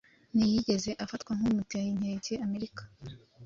Ntiyigeze afatwa nk'uteye inkeke Amerika,